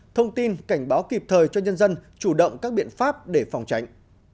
thông tin cảnh báo kịp thời cho nhân dân chủ động các biện pháp để phòng tránh